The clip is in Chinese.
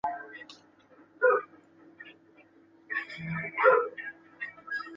芬尼县是美国堪萨斯州西南部的一个县。